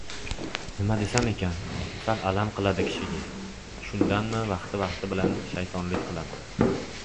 Nima desam ekan... Sal alam qiladi kishiga. Shundanmi, vaqti-vaqti bilan «shayton- lik» qilaman.